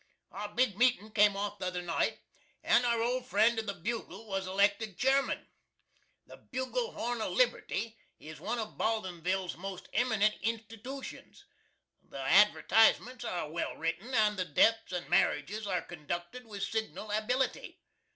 Our big meetin' came off the other night, and our old friend of the "Bugle" was elected Cheerman. The "Bugle Horn of Liberty" is one of Baldinsville's most eminentest institootions. The advertisements are well written, and the deaths and marriages are conducted with signal ability.